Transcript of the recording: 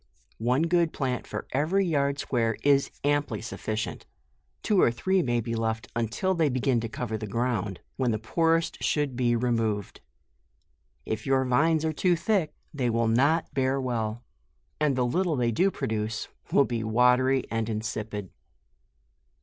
One good plant for every yard square, is amply sufficient, two or three may be left until they begin to cover the ground, when the poorest should be removed. If your vines are too thick, they will not bear well, and the little they do produce, will be watery and insipid.